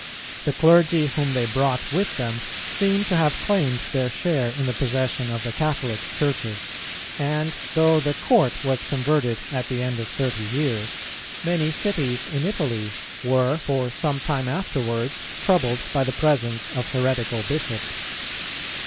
The clergy whom they brought with them seem to have claimed their share in the possession of the Catholic churches;[278:2] and though the Court was converted at the end of thirty years, many cities in Italy were for some time afterwards troubled by the presence of heretical bishops.